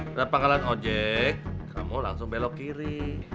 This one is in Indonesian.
berapa kalan ojek kamu langsung belok kiri